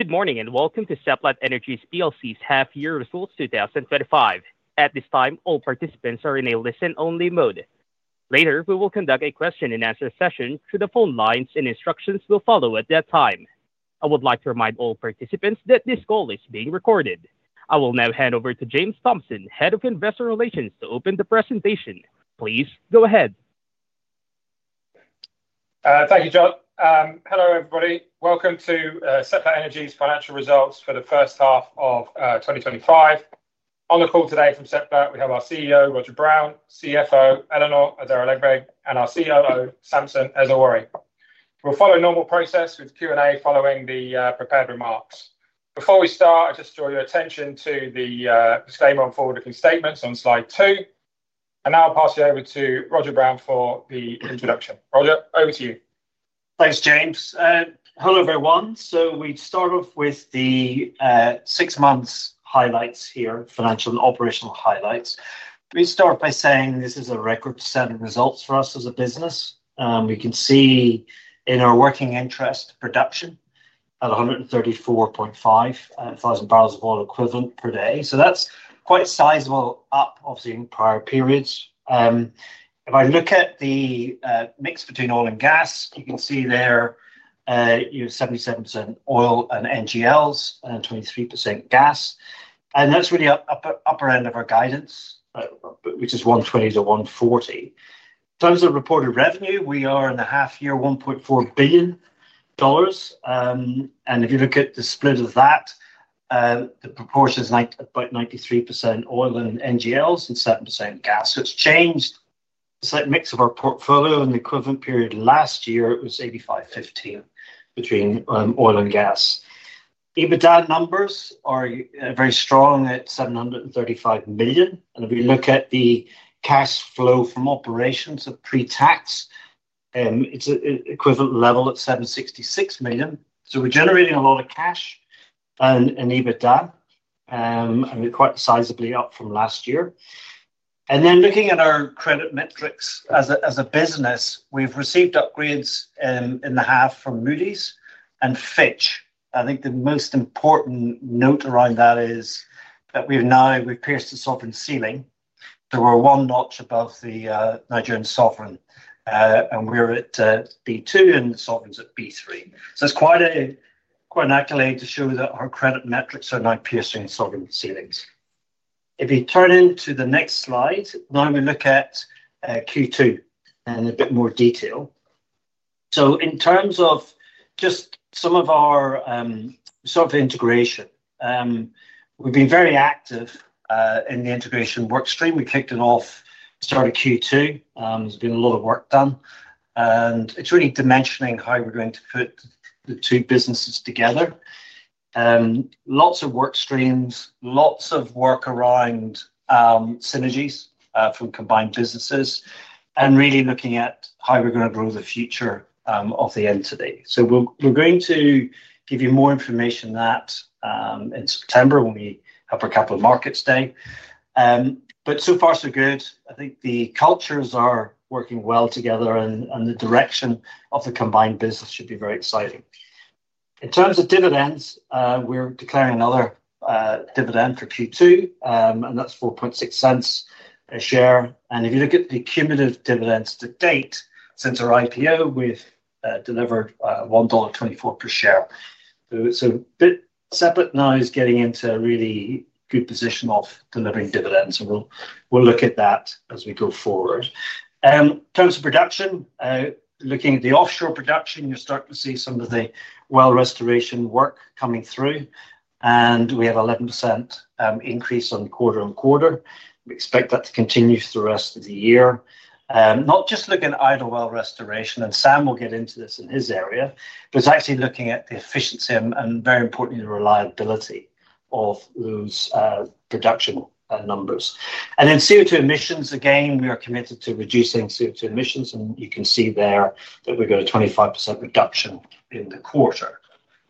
Good morning and welcome to Seplat Energy PLC's half-year results 2025. At this time, all participants are in a listen-only mode. Later, we will conduct a question and answer session through the phone lines, and instructions will follow at that time. I would like to remind all participants that this call is being recorded. I will now hand over to James Thompson, Head of Investor Relations, to open the presentation. Please go ahead. Thank you, John. Hello everybody. Welcome to Seplat Energy's financial results for the first half of 2025. On the call today from Seplat, we have our CEO, Roger Brown, CFO, Eleanor Adaralegbe, and our COO, Samson Ezugworie. We'll follow a normal process with Q&A following the prepared remarks. Before we start, I'd just draw your attention to the statement on forward-looking statements on slide two, and now I'll pass you over to Roger Brown for the introduction. Roger, over to you. Thanks, James. Hello everyone. We start off with the six months' highlights here, financial and operational highlights. We start by saying this is a record-setting result for us as a business. We can see in our working interest production at 134.5 thousand barrels of oil equivalent per day. That's quite sizable, up, obviously, in prior periods. If I look at the mix between oil and gas, you can see there you have 77% oil and NGLs, and 23% gas. That's really upper end of our guidance, which is 120-140. In terms of reported revenue, we are in the half-year at $1.4 billion. If you look at the split of that, the proportion is about 93% oil and NGLs and 7% gas. It's changed. It's like a mix of our portfolio, and the equivalent period last year, it was 85:15 between oil and gas. EBITDA numbers are very strong at $735 million. If we look at the cash flow from operations at pre-tax, it's an equivalent level at $766 million. We're generating a lot of cash and EBITDA, and we're quite sizably up from last year. Looking at our credit metrics as a business, we've received upgrades in the half from Moody’s and Fitch. I think the most important note around that is that we've now pierced the sovereign ceiling. We're one notch above the Nigerian sovereign, and we're at B2 and the sovereign's at B3. It's quite an accolade to show that our credit metrics are now piercing sovereign ceilings. If you turn into the next slide, now we look at Q2 in a bit more detail. In terms of just some of our sovereign integration, we've been very active in the integration workstream. We kicked it off, started Q2. There's been a lot of work done. It's really dimensioning how we're going to put the two businesses together. Lots of workstreams, lots of work around synergies from combined businesses, and really looking at how we're going to grow the future of the entity. We're going to give you more information on that in September when we have our capital markets day. So far, so good. I think the cultures are working well together, and the direction of the combined business should be very exciting. In terms of dividends, we're declaring another dividend for Q2, and that's $0.046 a share. If you look at the cumulative dividends to date since our IPO, we've delivered $1.24 per share. Seplat now is getting into a really good position of delivering dividends. We'll look at that as we go forward. In terms of production, looking at the offshore production, you're starting to see some of the well restoration work coming through. We have an 11% increase quarter on quarter. We expect that to continue for the rest of the year. Not just looking at idle well restoration, and Sam will get into this in his area, it's actually looking at the efficiency and, very importantly, the reliability of those production numbers. CO2 emissions, again, we are committed to reducing CO2 emissions, and you can see there that we've got a 25% reduction in the quarter.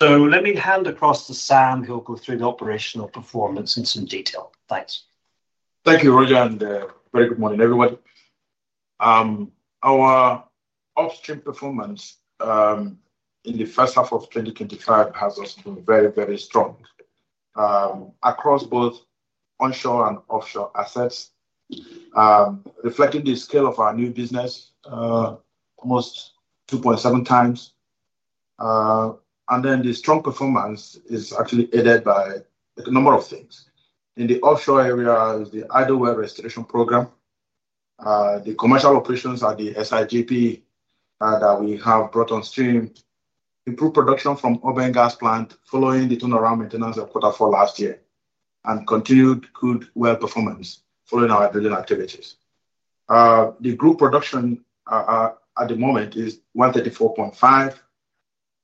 Let me hand across to Sam, who will go through the operational performance in some detail. Thanks. Thank you, Roger, and very good morning, everybody. Our offshore performance in the first half of 2025 has been very, very strong across both onshore and offshore assets, reflecting the scale of our new business, almost 2.7 times. The strong performance is actually aided by a number of things. In the offshore area, the idle well restoration program, the commercial operations of the Sapele Integrated Gas Plant (SIGP) that we have brought on stream, improved production from oil and gas plant following the turnaround maintenance of quarter four last year, and continued good well performance following our hydrogen activities. The group production at the moment is 134.5.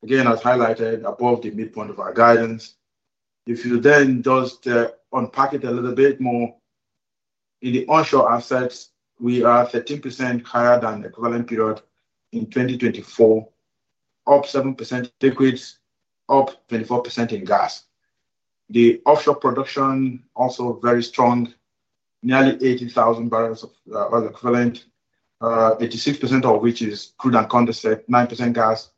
Again, as highlighted above the midpoint of our guidance, if you then just unpack it a little bit more, in the onshore assets, we are 13% higher than the equivalent period in 2024, up 7%. Liquids, up 24% in gas. The offshore production is also very strong, nearly 80,000 barrels of oil equivalent, 86% of which is crude and condensate, 9% gas,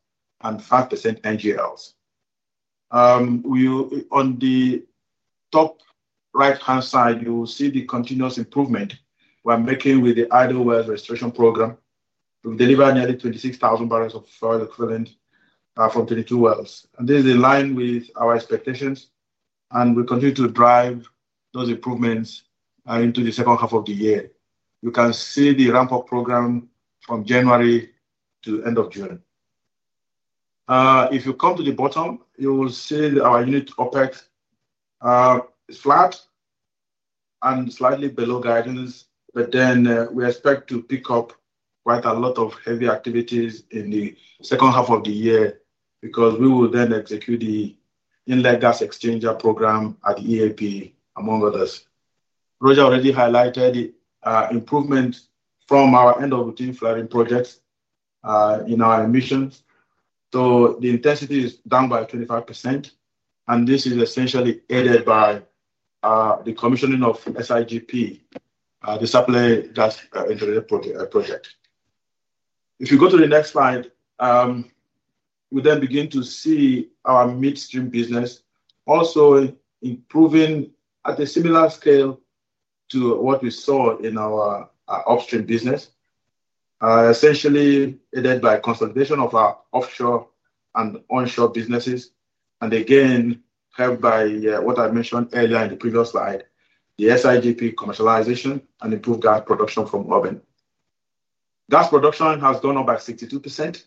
and 5% NGLs. On the top right-hand side, you'll see the continuous improvement we're making with the idle well restoration program. We've delivered nearly 26,000 barrels of oil equivalent from 22 wells. This is in line with our expectations, and we continue to drive those improvements into the second half of the year. You can see the ramp-up program from January to the end of June. If you come to the bottom, you will see that our unit OPEX is flat and slightly below guidance, but we expect to pick up quite a lot of heavy activities in the second half of the year because we will then execute the inlet gas exchanger program at the EAP, among others. Roger already highlighted the improvement from our end-of-routine flaring projects in our emissions. The intensity is down by 25%, and this is essentially aided by the commissioning of SIGP, the supply gas project. If you go to the next slide, we then begin to see our midstream business also improving at a similar scale to what we saw in our upstream business, essentially aided by consolidation of our offshore and onshore businesses, and again, helped by what I mentioned earlier in the previous slide, the SIGP commercialization and improved gas production from oil. Gas production has gone up by 62%,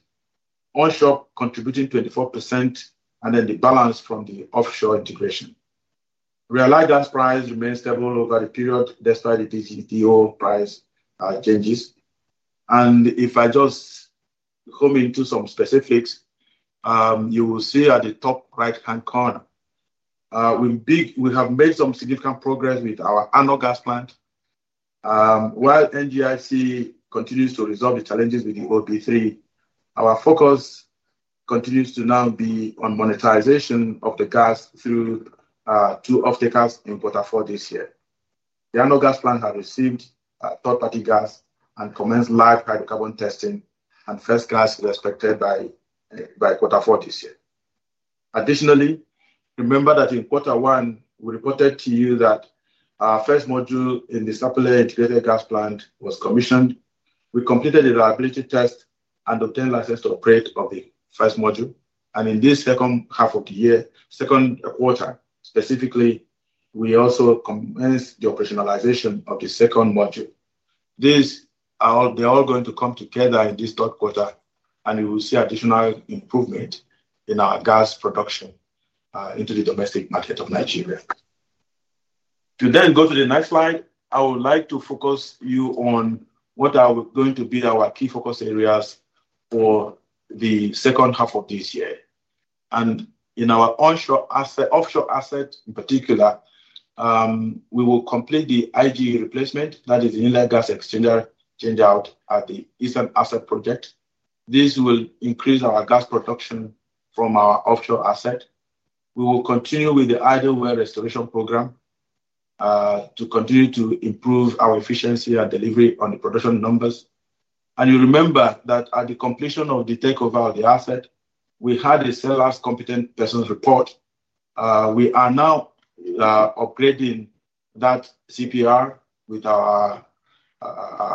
onshore contributing 24%, and the balance from the offshore integration. Realized that price remains stable over the period despite the PGTO price changes. If I just come into some specifics, you will see at the top right-hand corner, we have made some significant progress with our ANOH Gas Processing Plant. While NGIC continues to resolve the challenges with the OB3 pipeline, our focus continues to now be on monetization of the gas through two offtake gas in quarter four this year. The ANOH Gas Processing Plant has received third-party gas and commenced live hydrocarbon testing, and first gas is expected by quarter four this year. Additionally, remember that in quarter one, we reported to you that our first module in the Sapele Integrated Gas Plant was commissioned. We completed the reliability test and obtained license to operate of the first module. In this second half of the year, second quarter specifically, we also commenced the operationalization of the second module. These are all going to come together in this third quarter, and you will see additional improvement in our gas production into the domestic market of Nigeria. If you then go to the next slide, I would like to focus you on what are going to be our key focus areas for the second half of this year. In our offshore asset in particular, we will complete the IG replacement, that is the inlet gas exchanger changeout at the Eastern Asset Project. This will increase our gas production from our offshore asset. We will continue with the idle well restoration program to continue to improve our efficiency and delivery on the production numbers. You remember that at the completion of the takeover of the asset, we had a seller's Competent Persons Report. We are now upgrading that CPR with our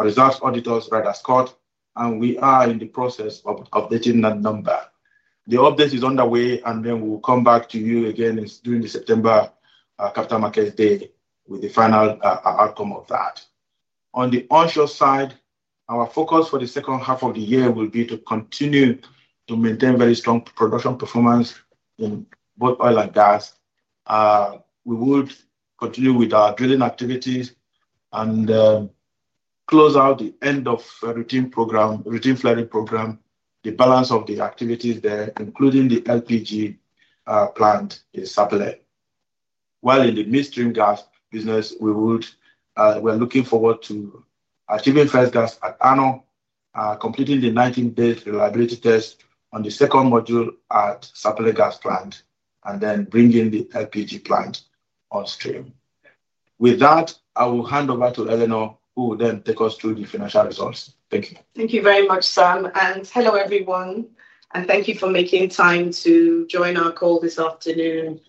results auditors, Ryder Scott, and we are in the process of updating that number. The update is underway, and we will come back to you again during the September Capital Markets Day with the final outcome of that. On the onshore side, our focus for the second half of the year will be to continue to maintain very strong production performance in both oil and gas. We will continue with our drilling activities and close out the end-of-routine flaring program, the balance of the activities there, including the LPG plant in Sapele. In the midstream gas business, we're looking forward to achieving first gas at ANOH, completing the 19-day reliability test on the second module at Sapele Gas Plant, and then bringing the LPG plant on stream. With that, I will hand over to Eleanor, who will then take us through the financial results. Thank you. Thank you very much, Sam. Hello, everyone, and thank you for making time to join our call this afternoon.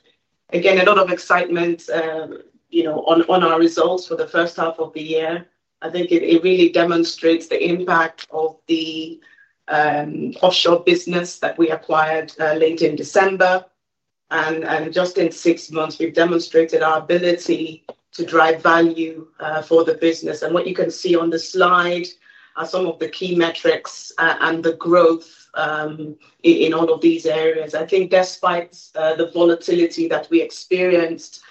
Again, a lot of excitement on our results for the first half of the year. I think it really demonstrates the impact of the offshore business that we acquired late in December. In just six months, we've demonstrated our ability to drive value for the business. What you can see on the slide are some of the key metrics and the growth in all of these areas. I think despite the volatility that we experienced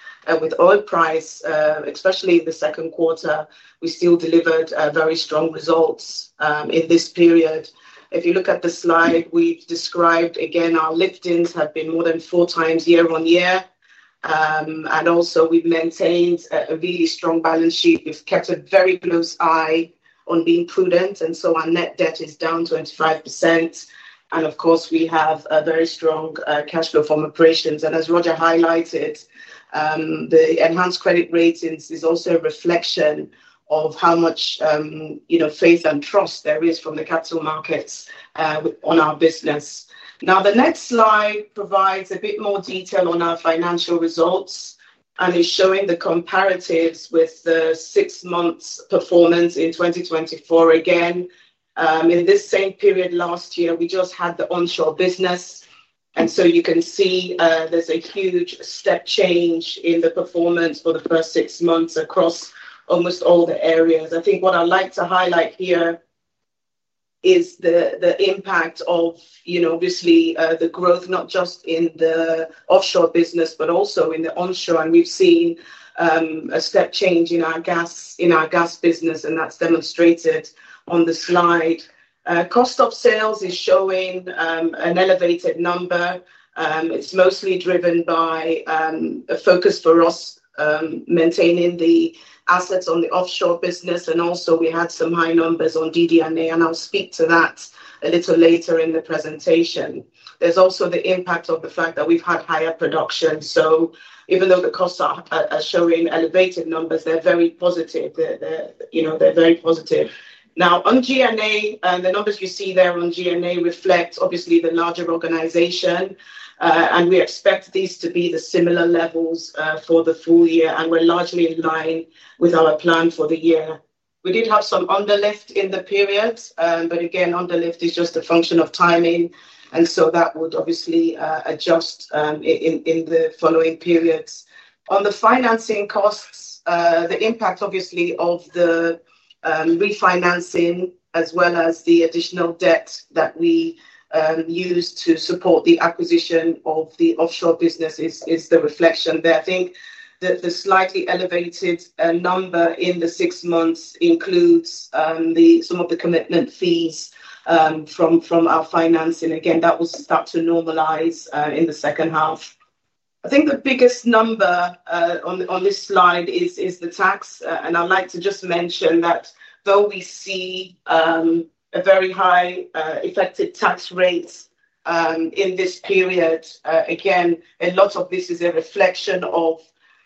with oil price, especially in the second quarter, we still delivered very strong results in this period. If you look at the slide, we've described our liftings have been more than four times year on year. We've maintained a really strong balance sheet. We've kept a very close eye on being prudent, and our net debt is down 25%. We have a very strong cash flow from operations. As Roger highlighted, the enhanced credit rating is also a reflection of how much faith and trust there is from the capital markets on our business. The next slide provides a bit more detail on our financial results and is showing the comparatives with the six-month performance in 2024. In this same period last year, we just had the onshore business, and you can see there's a huge step change in the performance for the first six months across almost all the areas. I think what I'd like to highlight here is the impact of the growth not just in the offshore business, but also in the onshore. We've seen a step change in our gas business, and that's demonstrated on the slide. Cost of sales is showing an elevated number. It's mostly driven by a focus for us maintaining the assets on the offshore business. We had some high numbers on DD&A, and I'll speak to that a little later in the presentation. There's also the impact of the fact that we've had higher production. Even though the costs are showing elevated numbers, they're very positive. Now, on G&A, the numbers you see there on G&A reflect the larger organization. We expect these to be the similar levels for the full year, and we're largely in line with our plan for the year. We did have some underlift in the periods, but underlift is just a function of timing. That would obviously adjust in the following periods. On the financing costs, the impact, obviously, of the refinancing, as well as the additional debt that we use to support the acquisition of the offshore business, is the reflection there. I think that the slightly elevated number in the six months includes some of the commitment fees from our financing. That will start to normalize in the second half. I think the biggest number on this slide is the tax. I'd like to just mention that though we see a very high effective tax rate in this period, a lot of this is a reflection of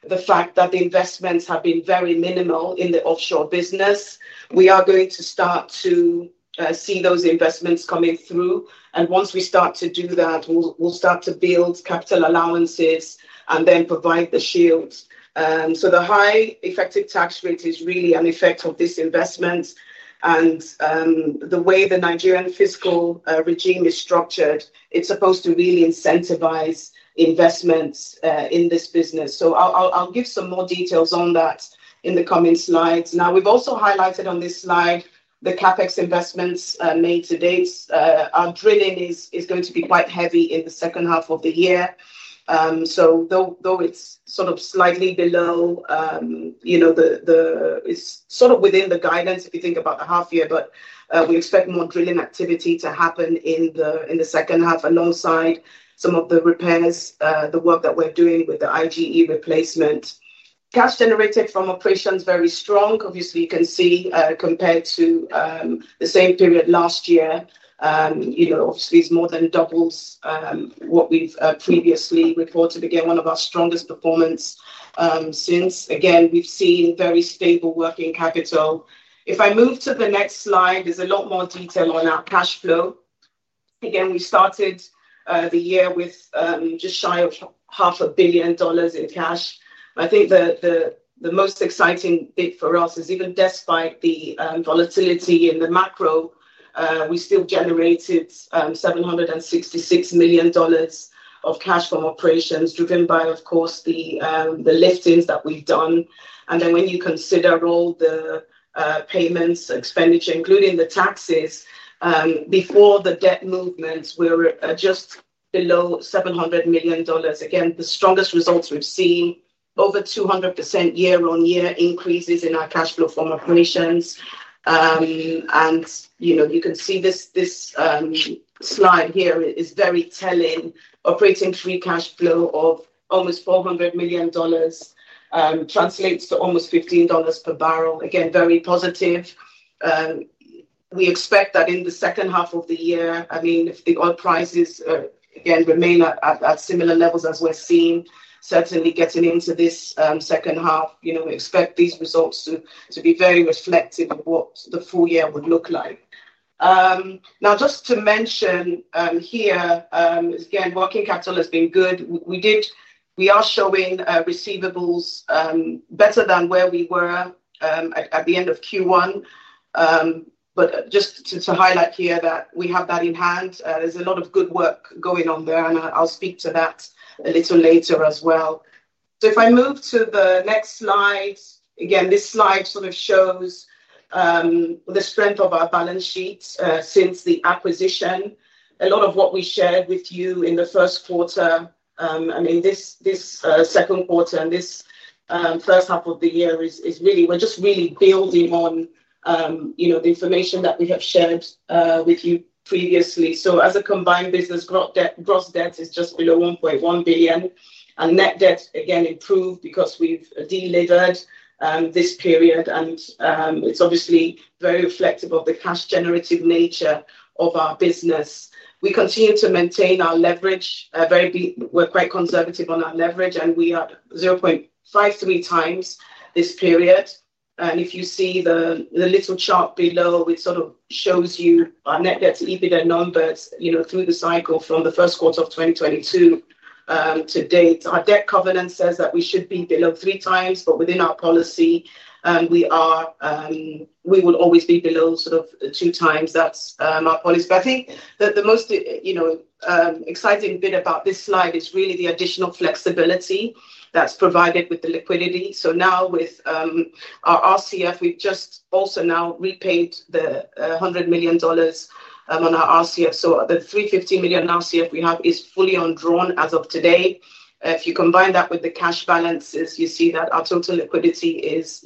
the fact that the investments have been very minimal in the offshore business. We are going to start to see those investments coming through. Once we start to do that, we'll start to build capital allowances and then provide the shield. The high effective tax rate is really an effect of this investment. The way the Nigerian fiscal regime is structured, it's supposed to really incentivize investments in this business. I'll give some more details on that in the coming slides. We've also highlighted on this slide the CapEx investments made to date. Our drilling is going to be quite heavy in the second half of the year. Though it's sort of slightly below, you know, it's sort of within the guidance if you think about the half year, we expect more drilling activity to happen in the second half alongside some of the repairs, the work that we're doing with the IGE replacement. Cash generated from operations is very strong. Obviously, you can see compared to the same period last year, it's more than doubled what we've previously reported. One of our strongest performances since. We've seen very stable working capital. If I move to the next slide, there's a lot more detail on our cash flow. We started the year with just shy of half a billion dollars in cash. I think the most exciting bit for us is even despite the volatility in the macro, we still generated $766 million of cash from operations driven by, of course, the liftings that we've done. When you consider all the payments, expenditure, including the taxes, before the debt movements, we're just below $700 million. The strongest results we've seen, over 200% year-on-year increases in our cash flow from our commissions. You can see this slide here is very telling. Operating free cash flow of almost $400 million translates to almost $15 per barrel. Very positive. We expect that in the second half of the year, I mean, if the oil prices again remain at similar levels as we're seeing, certainly getting into this second half, we expect these results to be very reflective of what the full year would look like. Now, just to mention here, again, working capital has been good. We are showing receivables better than where we were at the end of Q1. Just to highlight here that we have that in hand, there's a lot of good work going on there, and I'll speak to that a little later as well. If I move to the next slide, this slide sort of shows the strength of our balance sheet since the acquisition. A lot of what we shared with you in the first quarter, this second quarter and this first half of the year is really, we're just really building on the information that we have shared with you previously. As a combined business, gross debt is just below $1.1 billion. Net debt, again, improved because we've delivered this period. It's obviously very reflective of the cash-generated nature of our business. We continue to maintain our leverage. We're quite conservative on our leverage, and we are 0.53 times this period. If you see the little chart below, it sort of shows you our net debt to EBITDA numbers through the cycle from the first quarter of 2022 to date. Our debt covenant says that we should be below three times, but within our policy, we will always be below two times. That's our policy. I think that the most exciting bit about this slide is really the additional flexibility that's provided with the liquidity. Now with our RCF, we've just also now repaid the $100 million on our RCF. The $350 million RCF we have is fully undrawn as of today. If you combine that with the cash balances, you see that our total liquidity is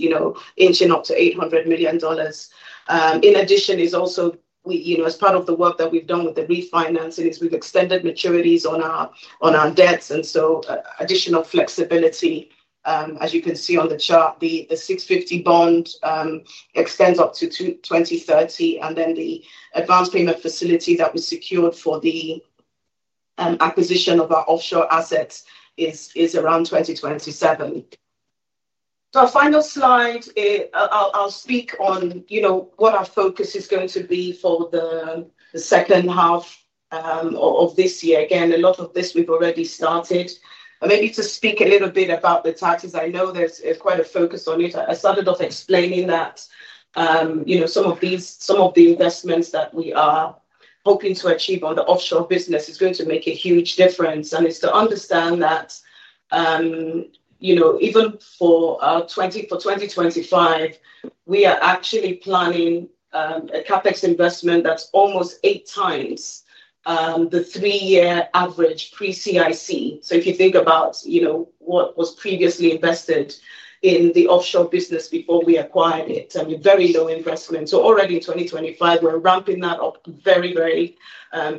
inching up to $800 million. In addition, as part of the work that we've done with the refinancing, we've extended maturities on our debts. Additional flexibility, as you can see on the chart, the $650 million bond extends up to 2030. The advanced payment facility that was secured for the acquisition of our offshore assets is around 2027. Our final slide, I'll speak on what our focus is going to be for the second half of this year. A lot of this we've already started. Maybe to speak a little bit about the taxes, I know there's quite a focus on it. I started off explaining that, you know, some of these, some of the investments that we are hoping to achieve on the offshore business is going to make a huge difference. It's to understand that, you know, even for 2025, we are actually planning a CapEx investment that's almost eight times the three-year average pre-CIC. If you think about what was previously invested in the offshore business before we acquired it, I mean, very low investment. Already in 2025, we're ramping that up very, very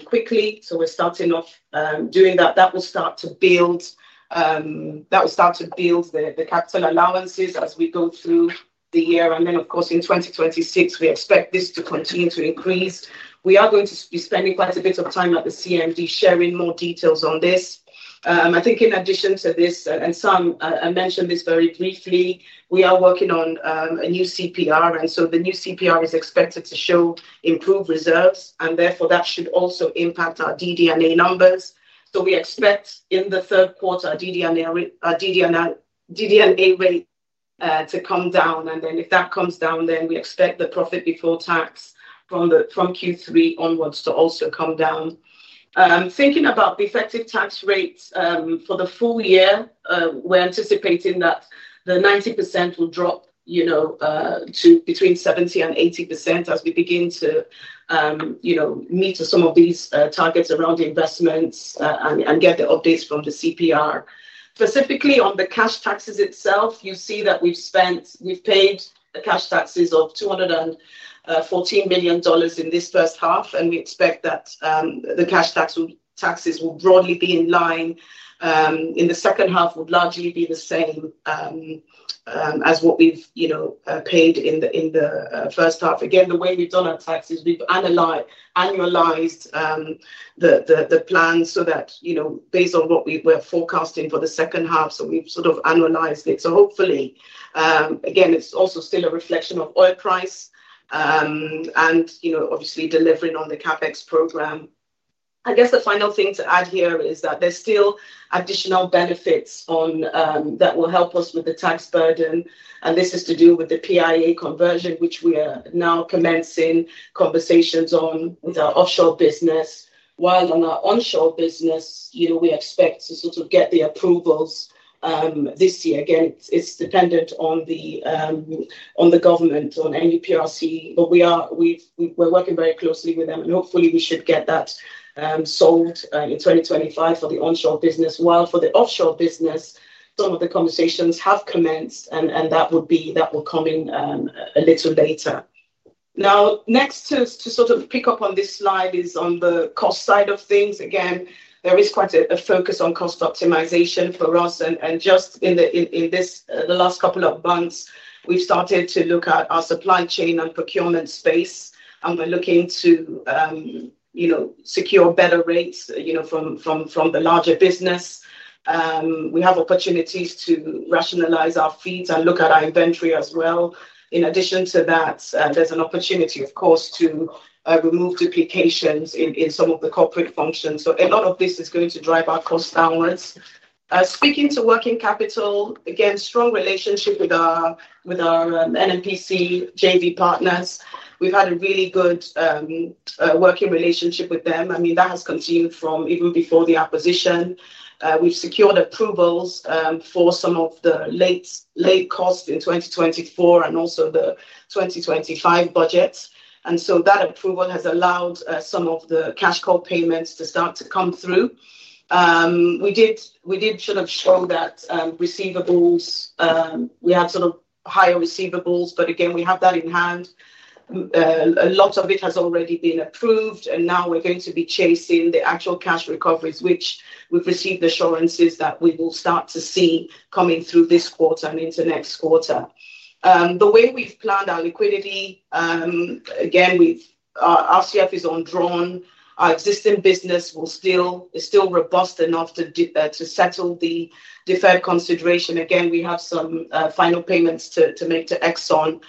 quickly. We're starting off doing that. That will start to build, that will start to build the capital allowances as we go through the year. In 2026, we expect this to continue to increase. We are going to be spending quite a bit of time at the CMD sharing more details on this. I think in addition to this, and Sam, I mentioned this very briefly, we are working on a new Competent Persons Report. The new Competent Persons Report is expected to show improved reserves, and therefore, that should also impact our DD&A numbers. We expect in the third quarter, our DD&A rate to come down. If that comes down, then we expect the profit before tax from Q3 onwards to also come down. Thinking about the effective tax rate for the full year, we're anticipating that the 90% will drop to between 70% and 80% as we begin to meet some of these targets around investments and get the updates from the Competent Persons Report. Specifically on the cash taxes itself, you see that we've paid the cash taxes of $214 million in this first half, and we expect that the cash taxes will broadly be in line. In the second half, it will largely be the same as what we've paid in the first half. Again, the way we've done our taxes, we've analyzed the plans so that, you know, based on what we were forecasting for the second half, we've sort of analyzed it. Hopefully, again, it's also still a reflection of oil price and, you know, obviously delivering on the CapEx program. The final thing to add here is that there's still additional benefits that will help us with the tax burden. This is to do with the PIA conversion, which we are now commencing conversations on with our offshore business. While on our onshore business, we expect to sort of get the approvals this year. Again, it's dependent on the government, on NUPRC, but we are working very closely with them, and hopefully, we should get that sold in 2025 for the onshore business. For the offshore business, some of the conversations have commenced, and that will come in a little later. Next to sort of pick up on this slide is on the cost side of things. Again, there is quite a focus on cost optimization for us. In just the last couple of months, we've started to look at our supply chain and procurement space, and we're looking to secure better rates from the larger business. We have opportunities to rationalize our feeds and look at our inventory as well. In addition to that, there's an opportunity to remove duplications in some of the corporate functions. A lot of this is going to drive our costs downwards. Speaking to working capital, again, strong relationship with our Nigerian National Petroleum Company JV partners. We've had a really good working relationship with them. That has continued from even before the acquisition. We've secured approvals for some of the late costs in 2024 and also the 2025 budgets. That approval has allowed some of the cash cut payments to start to come through. We did show that receivables, we had higher receivables, but again, we have that in hand. A lot of it has already been approved, and now we're going to be chasing the actual cash recoveries, which we've received assurances that we will start to see coming through this quarter and into next quarter. The way we've planned our liquidity, again, with our RCF is undrawn. Our existing business is still robust enough to settle the deferred consideration. We have some final payments to make to ExxonMobil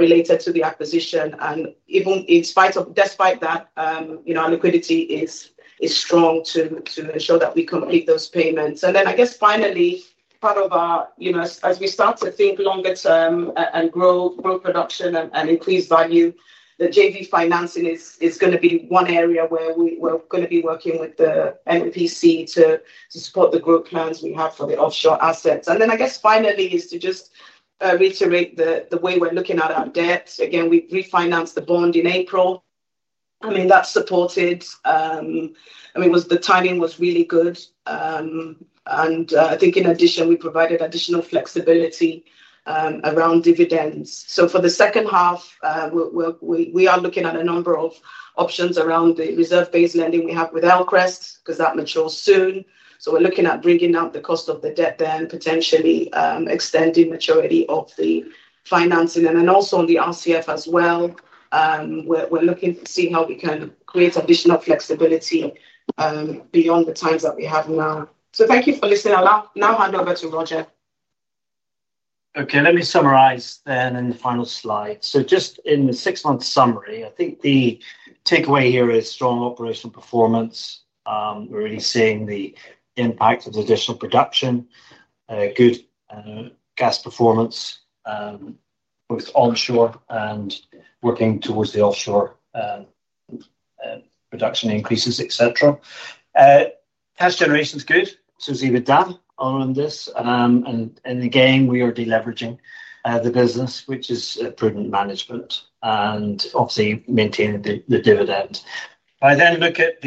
related to the acquisition. Even despite that, our liquidity is strong to ensure that we complete those payments. Finally, as we start to think longer term and grow production and increase value, the JV financing is going to be one area where we're going to be working with the Nigerian National Petroleum Company to support the growth plans we have for the offshore assets. Finally, to just reiterate the way we're looking at our debt, we refinanced the bond in April. That supported, the timing was really good. In addition, we provided additional flexibility around dividends. For the second half, we are looking at a number of options around the reserve-based lending we have with Elcrest because that matures soon. We are looking at bringing up the cost of the debt then, potentially extending maturity of the financing. Also, on the RCF as well, we are looking to see how we can create additional flexibility beyond the times that we have now. Thank you for listening. I'll now hand over to Roger. Okay. Let me summarize then in the final slide. Just in the six-month summary, I think the takeaway here is strong operational performance. We're really seeing the impact of the additional production, good gas performance, both onshore and working towards the offshore production increases, etc. Cash generation is good. It's EBITDA on this. Again, we are deleveraging the business, which is prudent management, and obviously maintaining the dividend. If I then look at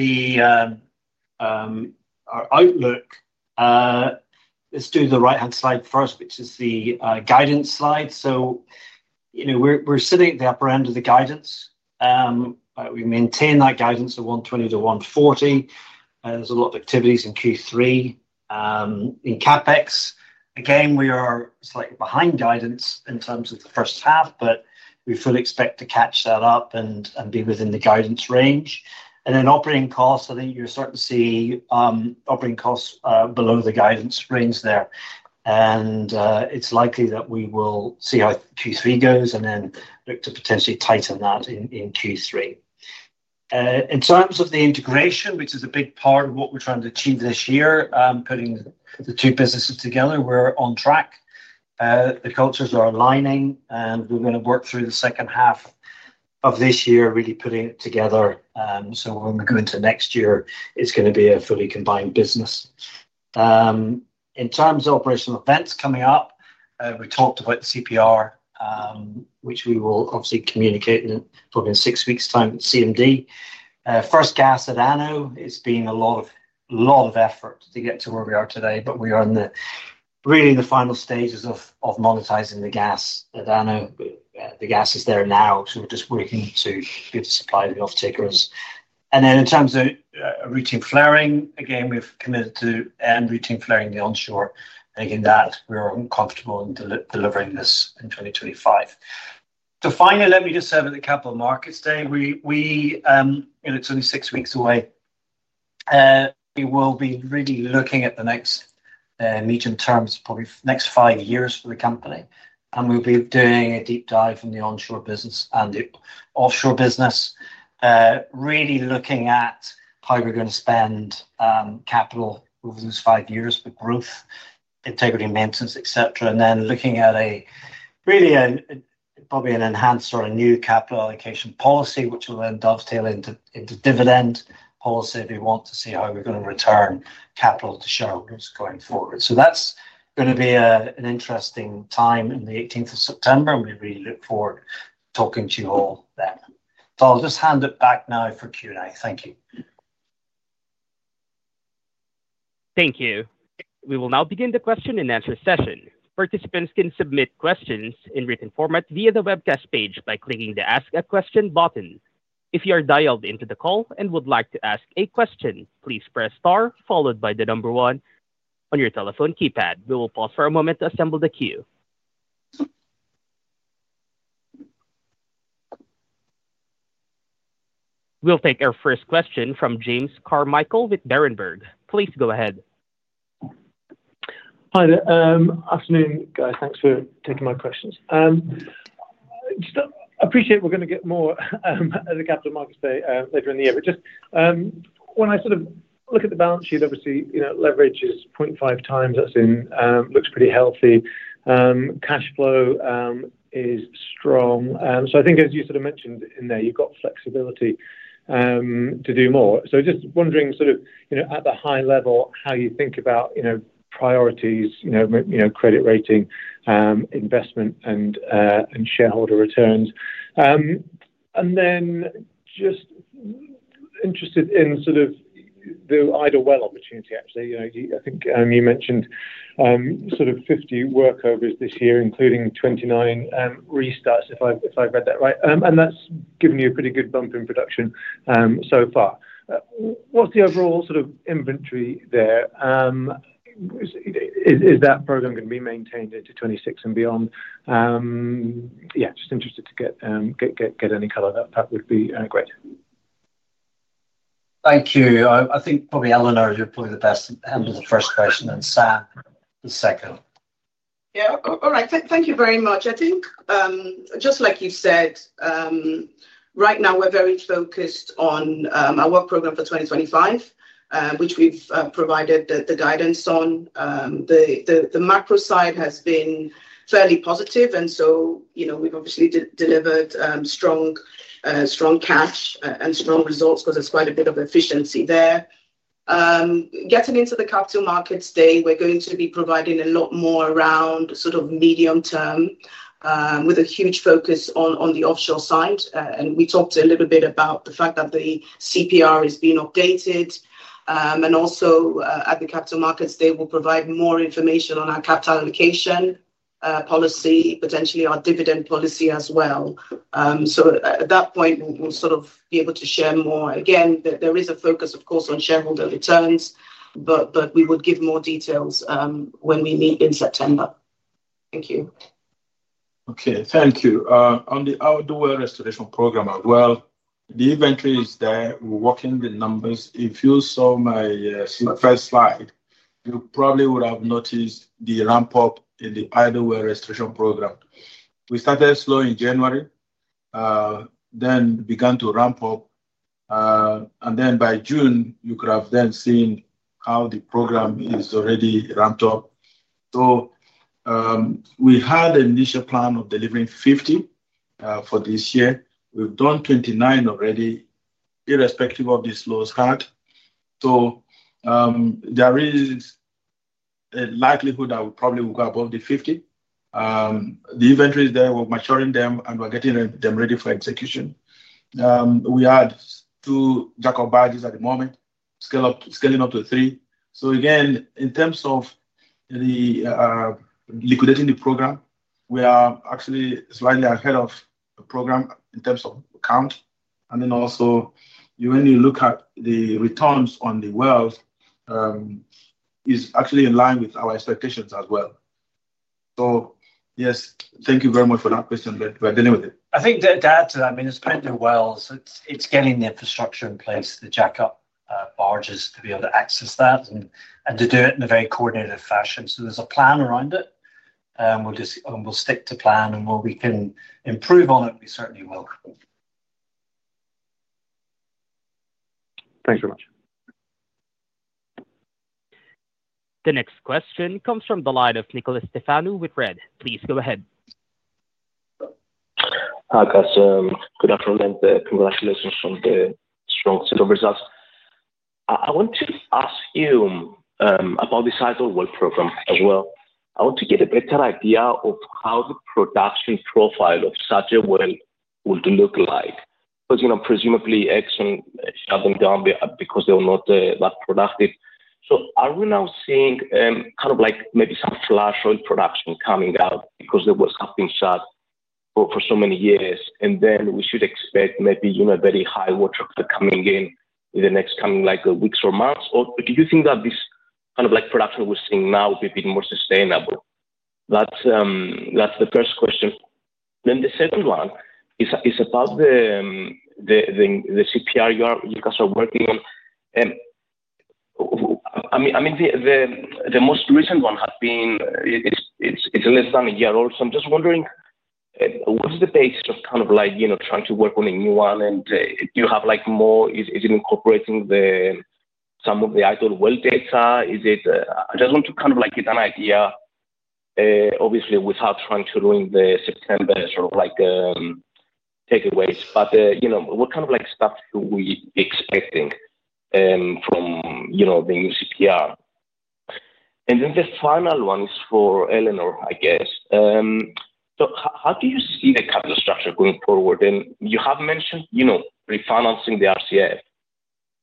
our outlook, let's do the right-hand side first, which is the guidance slide. We're sitting at the upper end of the guidance. We maintain that guidance of 120-140. There's a lot of activities in Q3 in CapEx. Again, we are slightly behind guidance in terms of the first half, but we fully expect to catch that up and be within the guidance range. Operating costs, I think you'll certainly see operating costs below the guidance range there. It's likely that we will see how Q3 goes and then look to potentially tighten that in Q3. In terms of the integration, which is a big part of what we're trying to achieve this year, putting the two businesses together, we're on track. The cultures are aligning, and we're going to work through the second half of this year, really putting it together. When we go into next year, it's going to be a fully combined business. In terms of operational events coming up, we talked about the Competent Persons Report, which we will obviously communicate in probably six weeks' time at CMD. First gas at ANOH has been a lot of effort to get to where we are today, but we are really in the final stages of monetizing the gas at ANOH. The gas is there now, so we're just waiting to be supplied enough tickers. In terms of routine flaring, again, we've committed to routine flaring the onshore, making sure that we're comfortable in delivering this in 2025. Finally, let me just have a Capital Markets Day. We're 26 weeks away. We will be really looking at the next medium terms, probably next five years for the company. We'll be doing a deep dive in the onshore business and the offshore business, really looking at how we're going to spend capital over those five years for growth, integrity, maintenance, etc. Then looking at a really probably an enhanced or a new capital allocation policy, which will then dovetail into dividend policy. We want to see how we're going to return capital to shareholders going forward. That's going to be an interesting time on the 18th of September, and we really look forward to talking to you all then. I'll just hand it back now for Q&A. Thank you. Thank you. We will now begin the question and answer session. Participants can submit questions in written format via the webcast page by clicking the Ask a Question button. If you are dialed into the call and would like to ask a question, please press star followed by the number one on your telephone keypad. We will pause for a moment to assemble the queue. We'll take our first question from James Carmichael with Berenberg. Please go ahead. Hi. Afternoon, guys. Thanks for taking my questions. I appreciate we're going to get more at the Capital Markets Day later in the year. When I sort of look at the balance sheet, obviously, you know, leverage is 0.5 times. That looks pretty healthy. Cash flow is strong. I think as you sort of mentioned in there, you've got flexibility to do more. Just wondering, at the high level, how you think about priorities, credit rating, investment, and shareholder returns. I'm also interested in the idle well opportunity, actually. I think you mentioned 50 workovers this year, including 29 restarts, if I've read that right. That's given you a pretty good bump in production so far. What's the overall inventory there? Is that program going to be maintained into 2026 and beyond? I'm just interested to get any color. That would be great. Thank you. I think probably Eleanor, you're probably the best to handle the first question, and Sam, the second. All right. Thank you very much. I think just like you said, right now, we're very focused on our work program for 2025, which we've provided the guidance on. The macro side has been fairly positive, and we've obviously delivered strong cash and strong results because there's quite a bit of efficiency there. Getting into the capital markets day, we're going to be providing a lot more around sort of medium term, with a huge focus on the offshore side. We talked a little bit about the fact that the Competent Persons Report is being updated. At the capital markets day, we will provide more information on our capital allocation policy, potentially our dividend policy as well. At that point, we'll be able to share more. Again, there is a focus, of course, on shareholder returns, but we would give more details when we meet in September. Thank you. Okay. Thank you. On the idle well restoration program as well, the inventory is there. We're working with numbers. If you saw my super first slide, you probably would have noticed the ramp-up in the idle well restoration program. We started slow in January, then began to ramp up. By June, you could have then seen how the program is already ramped up. We had an initial plan of delivering 50 for this year. We've done 29 already, irrespective of this slow start. There is a likelihood that we probably will go above the 50. The inventory is there. We're maturing them and we're getting them ready for execution. We had two jack-up barges at the moment, scaling up to three. Again, in terms of liquidating the program, we are actually slightly ahead of the program in terms of counts. Also, when you look at the returns on the wells, it's actually in line with our expectations as well. Yes, thank you very much for that question that we're dealing with it. I think it's paying the wells. It's getting the infrastructure in place, the jack-of-barges to be able to access that and to do it in a very coordinated fashion. There is a plan around it. We'll stick to plan, and when we can improve on it, we certainly will. Thanks very much. The next question comes from the line of Nikolas Stefanou with REDD. Please go ahead. I've got some good afternoon and congratulations on the strong set of results. I want to ask you about this idle well restoration program as well. I want to get a better idea of how the production profile of such a well would look like. Because, you know, presumably, ExxonMobil shut them down because they were not that productive. Are we now seeing kind of like maybe some flash oil production coming out because the wells have been shut for so many years? We should expect maybe, you know, a very high water coming in in the next coming weeks or months? Do you think that this kind of like production we're seeing now would be a bit more sustainable? That's the first question. The second one is about the Competent Persons Report you guys are working on. The most recent one had been, it's less than a year old. I'm just wondering, what's the basis of kind of like, you know, trying to work on a new one? Do you have like more, is it incorporating some of the idle well data? I just want to kind of like get an idea, obviously, without trying to ruin the September sort of like takeaways. What kind of like stuff are we expecting from, you know, the new Competent Persons Report? The final one is for Eleanor, I guess. How do you see the capital structure going forward? You have mentioned, you know, refinancing the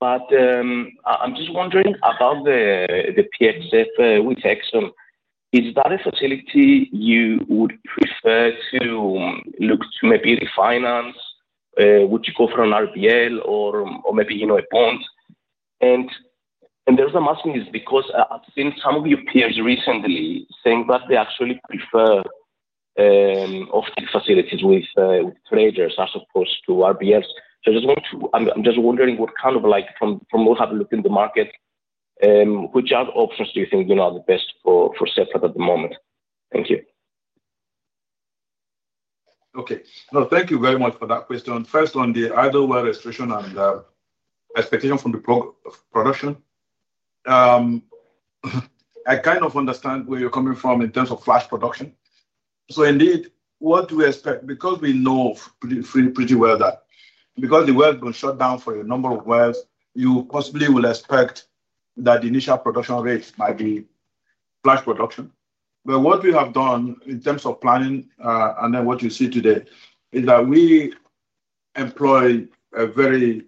RCF. I'm just wondering about the PXF with ExxonMobil. Is that a facility you would prefer to look to maybe refinance? Would you go for an RPL or maybe, you know, a bond? I'm asking because I've seen some of your peers recently saying that they actually prefer facilities with treasurers as opposed to RPLs. I'm just wondering what kind of like from what I've looked in the market, which other options do you think, you know, are the best for Seplat Energy at the moment? Thank you. No, thank you very much for that question. First one, the idle well restoration and expectation from the production. I kind of understand where you're coming from in terms of flash production. Indeed, what do we expect? Because we know pretty well that because the wells don't shut down for a number of wells, you possibly will expect that the initial production rate might be flash production. What we have done in terms of planning, and then what you see today, is that we employ a very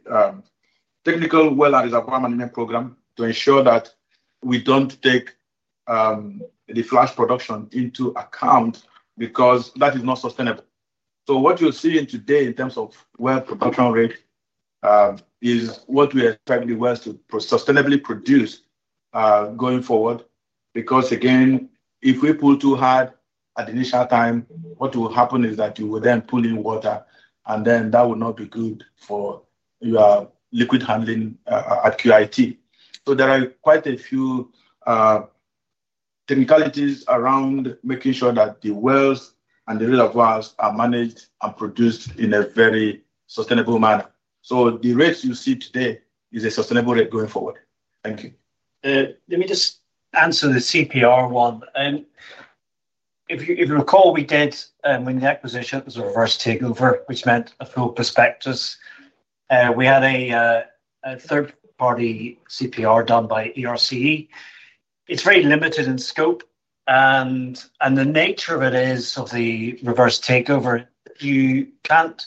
technical well and reservoir management program to ensure that we don't take the flash production into account because that is not sustainable. What you're seeing today in terms of well production rate is what we are trying to do well to sustainably produce going forward. If we pull too hard at the initial time, what will happen is that you will then pull in water, and that will not be good for your liquid handling at QIT. There are quite a few technicalities around making sure that the wells and the reservoirs are managed and produced in a very sustainable manner. The rates you see today is a sustainable rate going forward. Thank you. Let me just answer the CPR one. If you recall, we did, when the acquisition was a reverse takeover, which meant a full prospectus. We had a third-party CPR done by ERCE. It's very limited in scope. The nature of it is, of the reverse takeover, you can't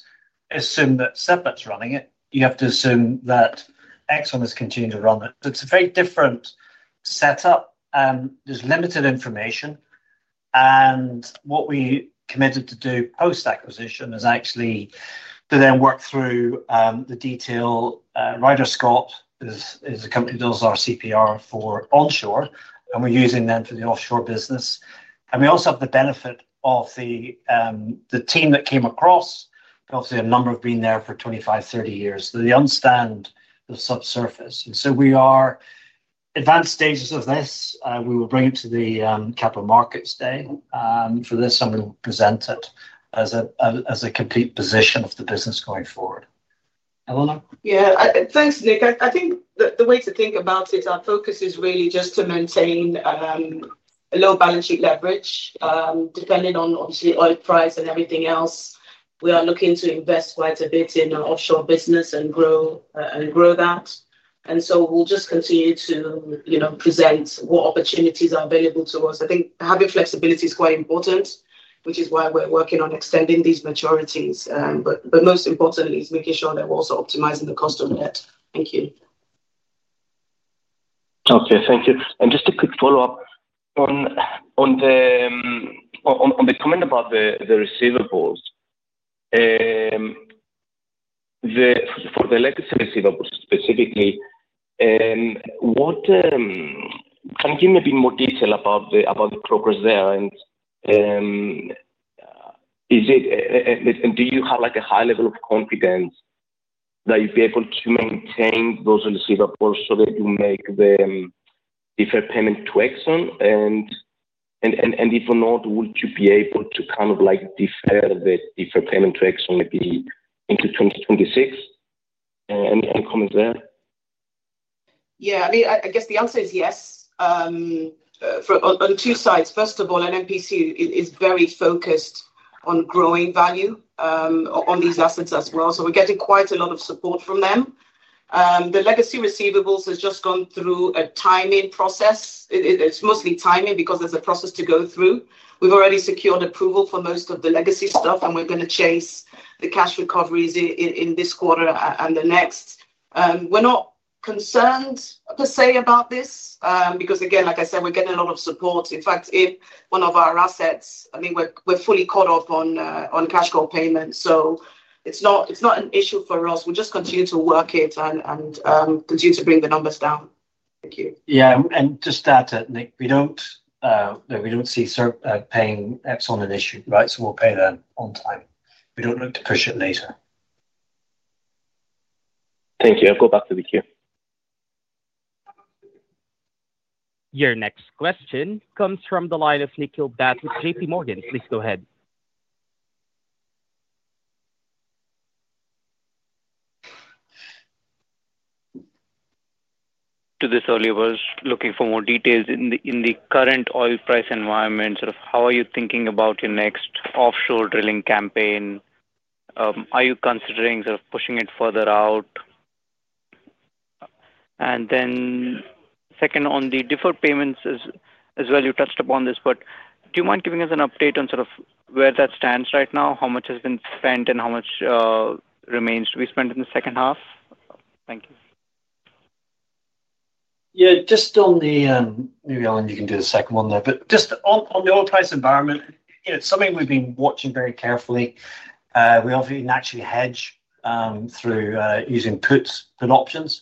assume that Seplat's running it. You have to assume that ExxonMobil is continuing to run it. It's a very different setup. There's limited information. What we committed to do post-acquisition is actually to then work through the detail. Ryder Scott is a company that does our CPR for onshore, and we're using them for the offshore business. We also have the benefit of the team that came across, obviously, a number of being there for 25, 30 years. They understand the subsurface. We are at advanced stages of this. We will bring it to the Capital Markets Day for this, and we'll present it as a complete position of the business going forward. Thanks, Nick. I think the way to think about it, our focus is really just to maintain a low balance sheet leverage. Depending on, obviously, oil price and everything else, we are looking to invest quite a bit in the offshore business and grow that. We'll just continue to present what opportunities are available to us. I think having flexibility is quite important, which is why we're working on extending these maturities. Most importantly, it's making sure that we're also optimizing the cost of that. Thank you. Thank you. Just a quick follow-up on the comment about the receivables. For the latest receivables specifically, can you give me a bit more detail about the progress there? Do you have a high level of confidence that you'd be able to maintain those receivables so that you make the deferred payment to ExxonMobil? If not, would you be able to defer the deferred payment to ExxonMobil maybe into 2026? Any comments there? Yeah. I mean, I guess the answer is yes on two sides. First of all, Nigerian National Petroleum Company is very focused on growing value on these assets as well. We're getting quite a lot of support from them. The legacy receivables have just gone through a timing process. It's mostly timing because there's a process to go through. We've already secured approval for most of the legacy stuff, and we're going to chase the cash recoveries in this quarter and the next. We're not concerned per se about this because, again, like I said, we're getting a lot of support. In fact, if one of our assets, I mean, we're fully caught up on cash cut payments. It's not an issue for us. We'll just continue to work it and continue to bring the numbers down. Thank you. Yes, just to add that, Nick, we don't see paying ExxonMobil an issue, right? We'll pay them on time. We don't look to push it later. Thank you. I'll go back to the queue. Your next question comes from the line of Nick Gilbert with JPMorgan. Please go ahead. To this audience, looking for more details in the current oil price environment, how are you thinking about your next offshore drilling campaign? Are you considering pushing it further out? On the deferred payments as well, you touched upon this, but do you mind giving us an update on where that stands right now? How much has been spent and how much remains to be spent in the second half? Thank you. Yeah. Just on the, maybe Eleanor, you can do the second one there. Just on the oil price environment, it's something we've been watching very carefully. We obviously naturally hedge through using puts and options.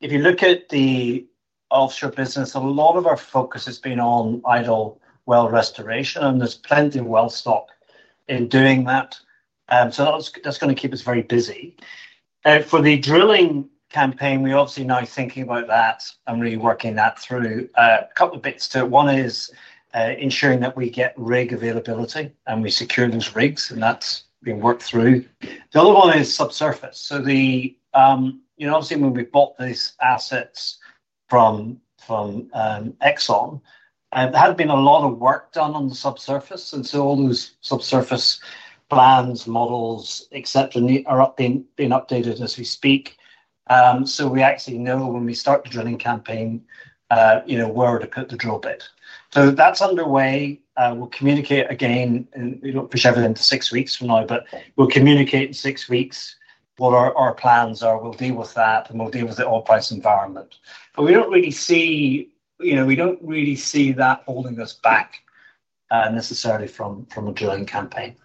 If you look at the offshore business, a lot of our focus has been on idle well restoration, and there's plenty of well stock in doing that. That's going to keep us very busy. For the drilling campaign, we're obviously now thinking about that and really working that through. A couple of bits to it: one is ensuring that we get rig availability, and we secure those rigs, and that's being worked through. The other one is subsurface. When we bought these assets from ExxonMobil, there had been a lot of work done on the subsurface. All those subsurface plans, models, etc., are being updated as we speak. We actually know when we start the drilling campaign where to put the drill bit. That's underway. We'll communicate again, and we don't push everything to six weeks from now, but we'll communicate in six weeks what our plans are. We'll deal with that, and we'll deal with the oil price environment. We don't really see that holding us back necessarily from a drilling campaign.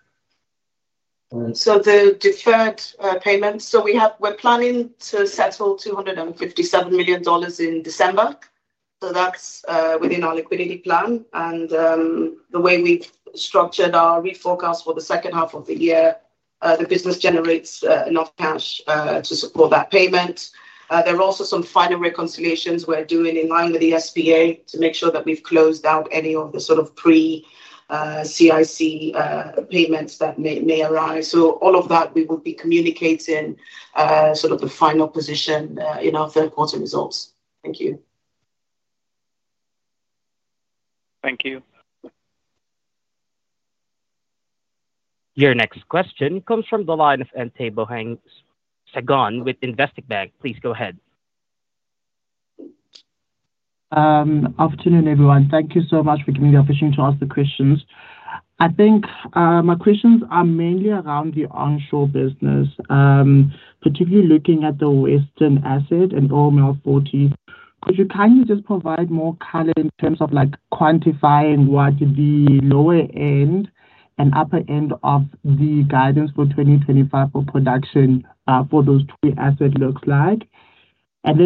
The deferred payments, we're planning to settle $257 million in December. That's within our liquidity plan. The way we've structured our reforecast for the second half of the year, the business generates enough cash to support that payment. There are also some final reconciliations we're doing in line with the SPA to make sure that we've closed out any of the sort of pre-CIC payments that may arise. All of that, we would be communicating the final position in our third quarter results. Thank you. Thank you. Your next question comes from the line of Ntebogang Segone with Investec Bank. Please go ahead. Afternoon, everyone. Thank you so much for giving me the opportunity to ask the questions. I think my questions are mainly around the onshore business, particularly looking at the western asset and oil mill parties. Could you kindly just provide more color in terms of quantifying what the lower end and upper end of the guidance for 2025 for production for those three assets looks like?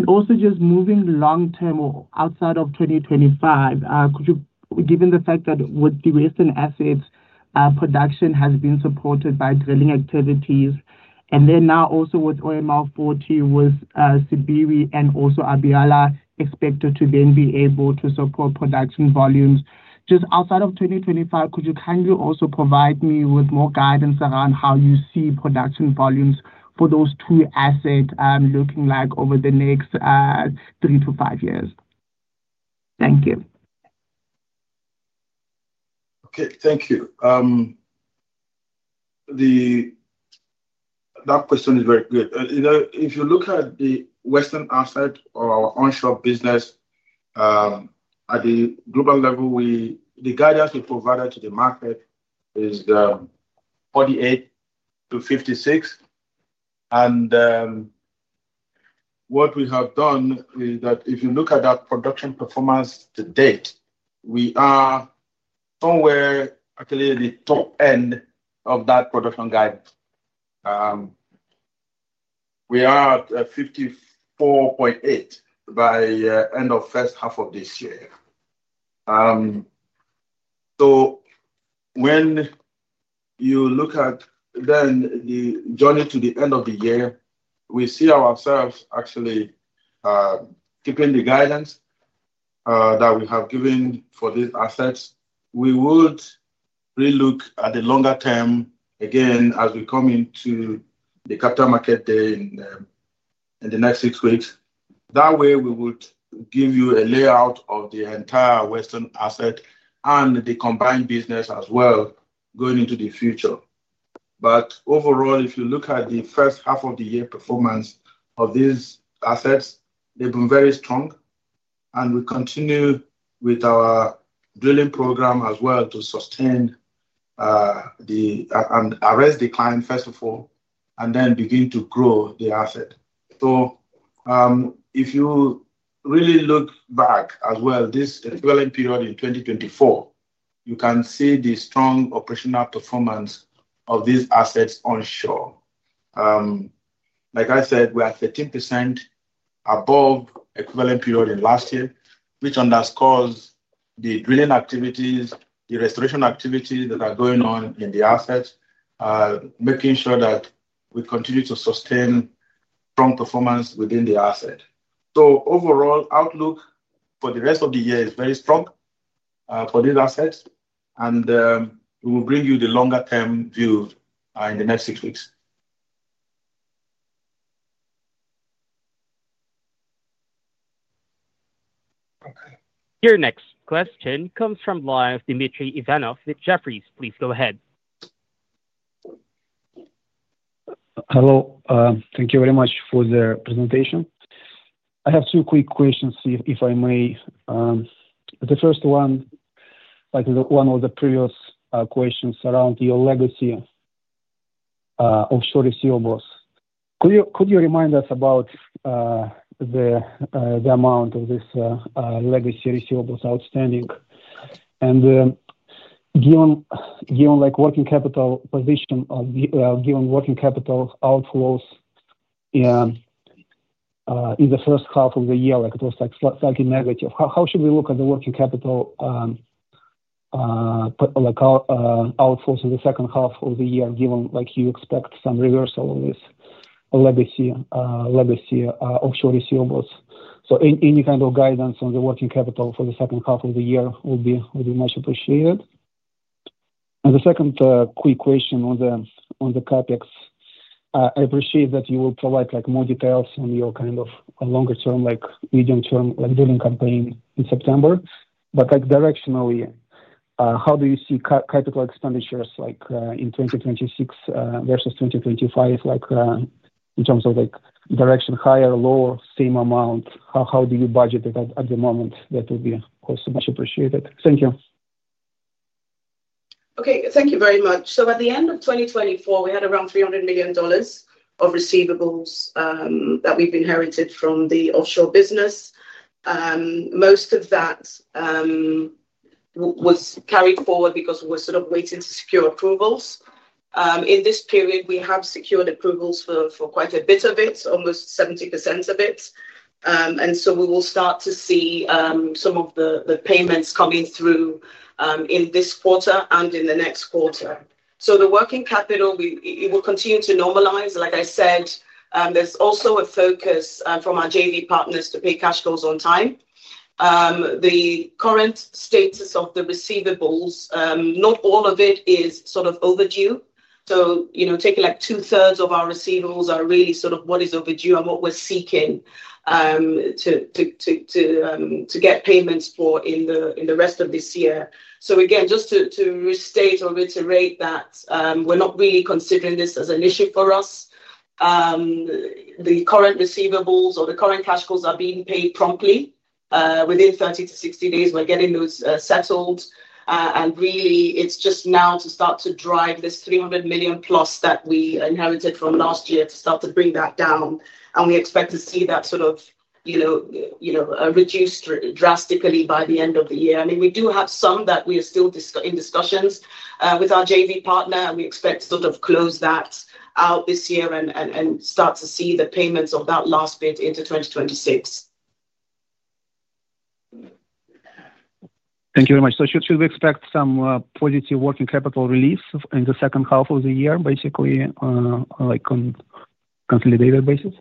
Also, just moving long-term or outside of 2025, could you, given the fact that with the western assets, production has been supported by drilling activities, and now also with OML 40, with Subiri, and also Abiyala, expected to then be able to support production volumes, just outside of 2025, could you kindly also provide me with more guidance around how you see production volumes for those two assets looking like over the next three to five years? Thank you. Okay. Thank you. That question is very good. You know, if you look at the western asset or onshore business, at the global level, the guidance we provided to the market is 48-56. What we have done is that if you look at that production performance to date, we are somewhere actually at the top end of that production guidance. We are at 54.8 by the end of the first half of this year. When you look at the journey to the end of the year, we see ourselves actually keeping the guidance that we have given for these assets. We would relook at the longer term again as we come into the Capital Markets Day in the next six weeks. That way, we would give you a layout of the entire western asset and the combined business as well going into the future. Overall, if you look at the first half of the year performance of these assets, they've been very strong. We continue with our drilling program as well to sustain the risk decline, first of all, and then begin to grow the asset. If you really look back as well, this equivalent period in 2024, you can see the strong operational performance of these assets onshore. Like I said, we're at 15% above the equivalent period in last year, which underscores the drilling activities, the restoration activities that are going on in the assets, making sure that we continue to sustain strong performance within the asset. Overall, the outlook for the rest of the year is very strong for these assets. We will bring you the longer-term view in the next six weeks. Your next question comes from the line of Dmitry Ivanov with Jefferies. Please go ahead. Hello. Thank you very much for the presentation. I have two quick questions, if I may. The first one, like one of the previous questions around your legacy offshore receivables. Could you remind us about the amount of these legacy receivables outstanding? Given working capital position, given working capital outflows in the first half of the year, it was slightly negative. How should we look at the working capital outflows in the second half of the year, given you expect some reversal of this legacy offshore receivables? Any kind of guidance on the working capital for the second half of the year would be much appreciated. The second quick question on the CapEx, I appreciate that you will provide more details on your kind of longer-term, medium-term drilling campaign in September. Directionally, how do you see capital expenditures in 2026 versus 2025, in terms of direction, higher, lower, same amount? How do you budget it at the moment? That would be, of course, much appreciated. Thank you. Okay. Thank you very much. At the end of 2024, we had around $300 million of receivables that we've inherited from the offshore business. Most of that was carried forward because we were sort of waiting to secure approvals. In this period, we have secured approvals for quite a bit of it, almost 70% of it. We will start to see some of the payments coming through in this quarter and in the next quarter. The working capital will continue to normalize. Like I said, there's also a focus from our JV partners to pay cash flows on time. The current status of the receivables, not all of it is sort of overdue. Taking like two-thirds of our receivables, those are really sort of what is overdue and what we're seeking to get payments for in the rest of this year. Just to restate or reiterate that we're not really considering this as an issue for us. The current receivables or the current cash flows are being paid promptly. Within 30-60 days, we're getting those settled. It's just now to start to drive this $300 million plus that we inherited from last year to start to bring that down. We expect to see that reduced drastically by the end of the year. We do have some that we are still in discussions with our JV partner, and we expect to close that out this year and start to see the payments of that last bit into 2026. Thank you very much. Should you expect some positive working capital release in the second half of the year, basically, like on a consolidated basis?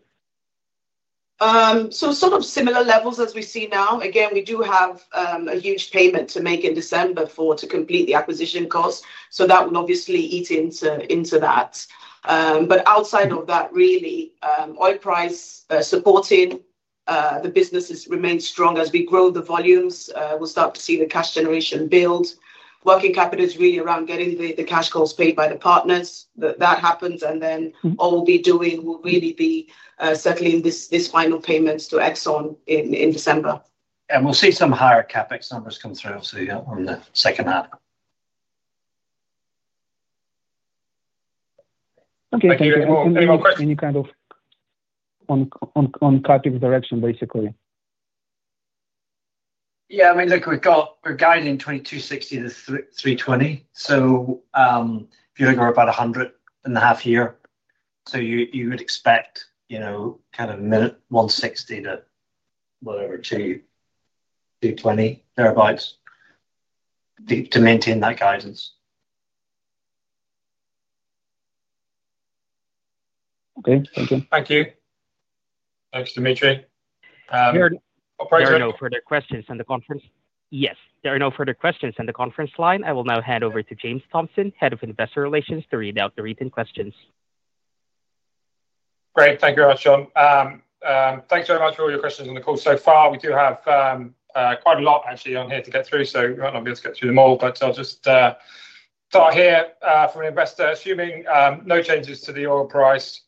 We see similar levels as we see now. We do have a huge payment to make in December to complete the acquisition cost. That will obviously eat into that. Outside of that, oil price supporting the businesses remains strong. As we grow the volumes, we'll start to see the cash generation build. Working capital is really around getting the cash calls paid by the partners. That happens, and then all we'll be doing will really be settling these final payments to ExxonMobil in December. We'll see some higher CapEx numbers concerns on the second half. Okay, thank you. Any kind of on CapEx direction, basically? Yeah. I mean, look, we're guiding $260 million-$320 million. If you look, we're about $100.5 million here. You would expect, you know, kind of mid $160 million to, whatever, $220 million to maintain that guidance. Okay, thank you. Thank you. Thanks, Dmitry. There are no further questions in the conference. Yes, there are no further questions in the conference line. I will now hand over to James Thompson, Head of Investor Relations, to read out the written questions. Great. Thank you, Rashon. Thanks very much for all your questions on the call. We do have quite a lot, actually, on here to get through. We might not be able to get through them all, but I'll just start here from an investor, assuming no changes to the oil price.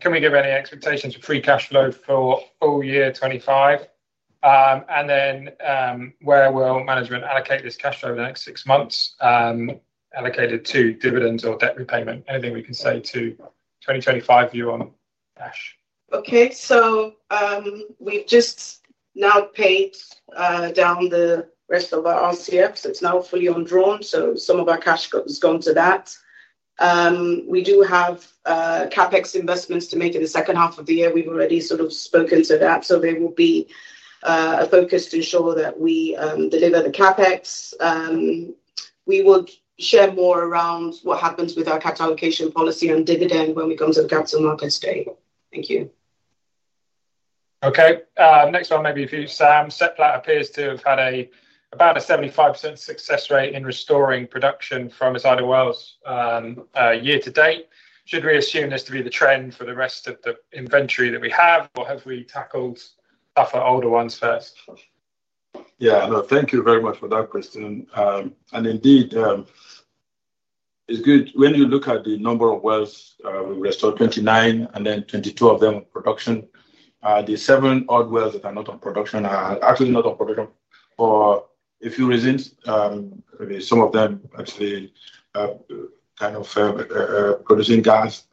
Can we give any expectations for free cash flow for full year 2025? Where will management allocate this cash flow in the next six months? Allocated to dividends or debt repayment? Anything we can say to 2025 view on cash? Okay. We've just now paid down the rest of our RCF. It's now fully undrawn. Some of our cash has gone to that. We do have CapEx investments to make in the second half of the year. We've already sort of spoken to that. There will be a focus to ensure that we deliver the CapEx. We will share more around what happens with our capital allocation policy and dividend when we come to the Capital Markets Day. Thank you. Okay. Next one, maybe a few. Sam, Seplat appears to have had about a 75% success rate in restoring production from its idle wells year to date. Should we assume this to be the trend for the rest of the inventory that we have, or have we tackled tougher older ones first? Thank you very much for that question. Indeed, it's good when you look at the number of wells. We restored 29, and then 22 of them are production. The seven odd wells that are not on production are actually not on production for a few reasons. Some of them actually are kind of producing gas.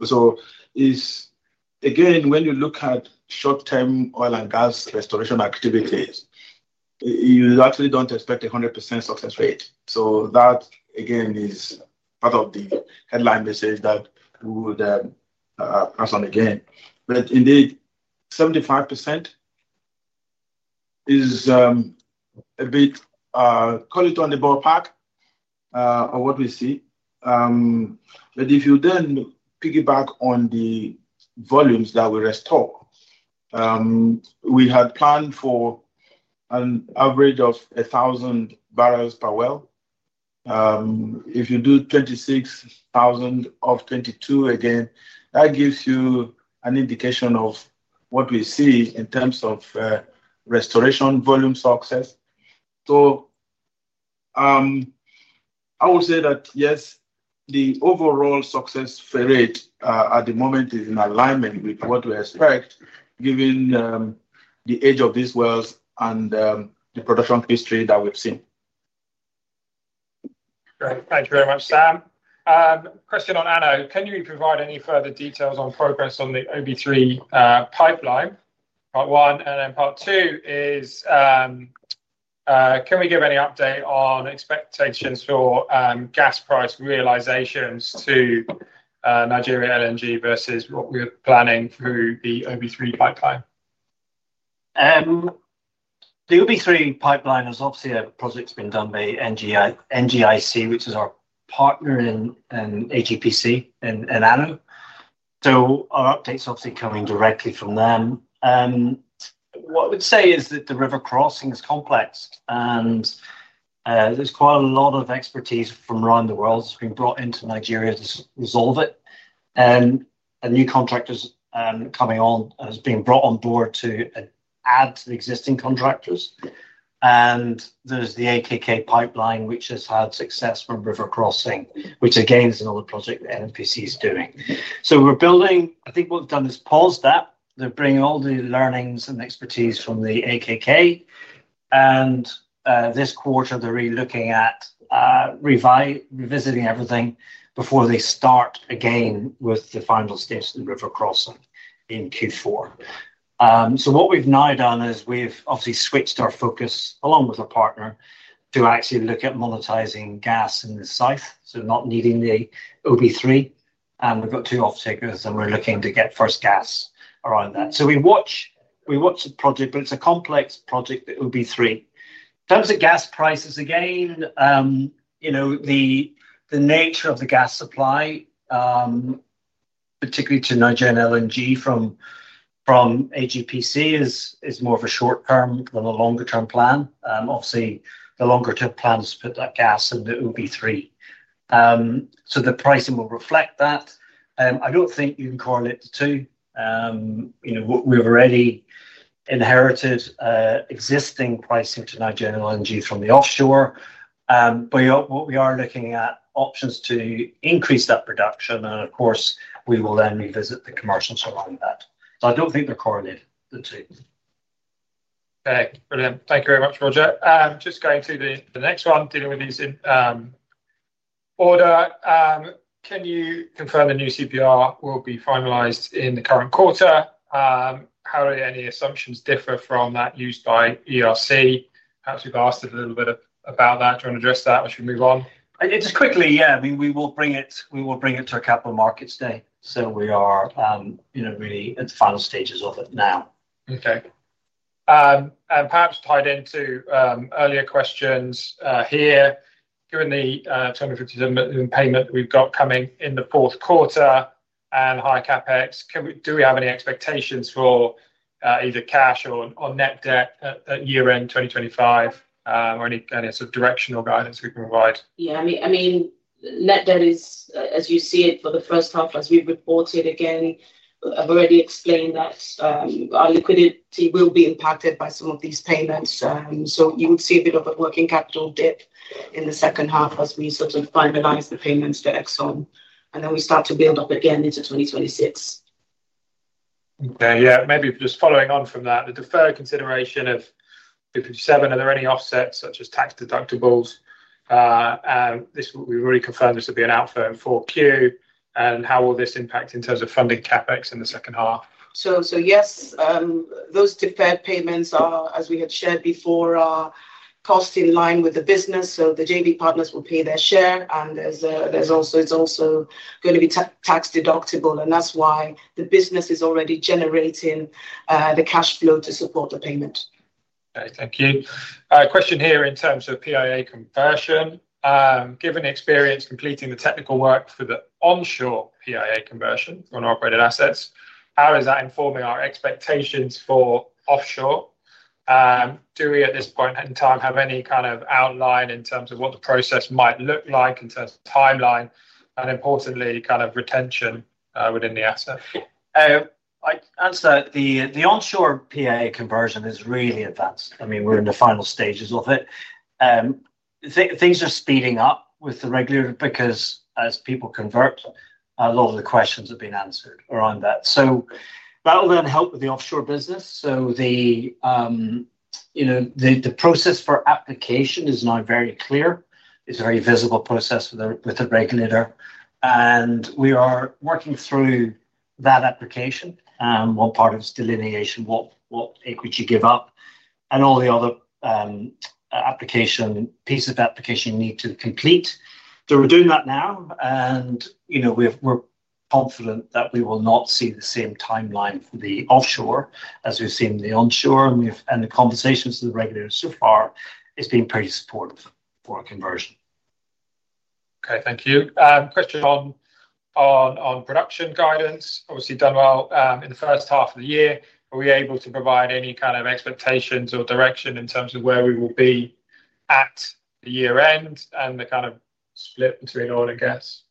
Again, when you look at short-term oil and gas restoration activities, you actually don't expect a 100% success rate. That, again, is part of the headline message that we will pass on again. Indeed, 75% is a bit, call it on the ballpark, of what we see. If you then piggyback on the volumes that we restore, we have planned for an average of 1,000 bbl per well. If you do 26,000 of 22, again, that gives you an indication of what we see in terms of restoration volume success. I would say that, yes, the overall success rate at the moment is in alignment with what we expect, given the age of these wells and the production history that we've seen. Great. Thanks very much, Sam. Question on ANOH. Can you provide any further details on progress on the OB3 pipeline? Part one. Part two is, can we give any update on expectations for gas price realizations to Nigerian LNG versus what we're planning through the OB3 pipeline? The OB3 pipeline is obviously a project that's been done by NGIC, which is our partner in ATPC in ANOH. Our update is obviously coming directly from them. What I would say is that the river crossing is complex, and there's quite a lot of expertise from around the world that's been brought into Nigeria to resolve it. New contractors coming on have been brought on board to add to the existing contractors. There's the AKK pipeline, which has had success from river crossing, which again is another project that Nigerian National Petroleum Company is doing. We're building, I think what they've done is pause that. They're bringing all the learnings and expertise from the AKK. This quarter, they're really looking at revisiting everything before they start again with the final steps in river crossing in Q4. What we've now done is we've obviously switched our focus, along with a partner, to actually look at monetizing gas in this site, not needing the OB3. We've got two off-takers, and we're looking to get first gas around that. We watch the project, but it's a complex project, the OB3. In terms of gas prices, again, you know, the nature of the gas supply, particularly to Nigerian LNG from ATPC, is more of a short-term than a longer-term plan. The longer-term plan is to put that gas in the OB3. The pricing will reflect that. I don't think you can correlate the two. We've already inherited existing prices to Nigerian LNG from the offshore. What we are looking at options to increase that production, and of course, we will then revisit the commercials around that. I don't think they're correlated the two. Okay. Brilliant. Thank you very much, Roger. Just going to the next one, dealing with these in order. Can you confirm the new Competent Persons Report will be finalized in the current quarter? How do any assumptions differ from that used by ERCE? Perhaps we've asked a little bit about that. Do you want to address that as we move on? Just quickly, yeah. We will bring it to a Capital Markets Day. We are, you know, really at the final stages of it now. Okay. Perhaps tied into earlier questions here, given the $250 million payment that we've got coming in the fourth quarter and high CapEx, do we have any expectations for either cash or net debt at year-end 2025, or any sort of directional guidance we can provide? Yeah. I mean, net debt is, as you see it, for the first half as we report it again. I've already explained that our liquidity will be impacted by some of these payments. You would see a bit of a working capital debt in the second half as we sort of finalize the payments to ExxonMobil. We start to build up again into 2026. Okay. Maybe just following on from that, the deferred consideration of $57 million, are there any offsets such as tax deductibles? We've already confirmed this would be an outfall in 4Q. How will this impact in terms of funding CapEx in the second half? Yes, those deferred payments are, as we had shared before, cost in line with the business. The JV partners will pay their share. It's also going to be tax deductible, and that's why the business is already generating the cash flow to support the payment. Okay. Thank you. Question here in terms of PIA conversion. Given experience completing the technical work for the onshore PIA conversion on operated assets, how is that informing our expectations for offshore? Do we at this point in time have any kind of outline in terms of what the process might look like in terms of timeline and, importantly, kind of retention within the asset? I'd answer that the onshore PIA conversion is really advanced. I mean, we're in the final stages of it. Things are speeding up with the regulator because as people convert, a lot of the questions have been answered around that. That will go and help with the offshore business. The process for application is now very clear. It's a very visible process with the regulator, and we are working through that application. One part of it is delineation, what equity you give up, and all the other pieces of application you need to complete. We're doing that now, and you know, we're confident that we will not see the same timeline for the offshore as we've seen in the onshore. The conversations with the regulator so far have been pretty supportive for a conversion. Okay. Thank you. Question on production guidance. Obviously, done well in the first half of the year. Are we able to provide any kind of expectations or direction in terms of where we will be at the year-end and the kind of split between oil and gas?